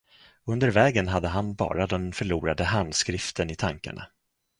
Under vägen hade han bara den förlorade handskriften i tankarna.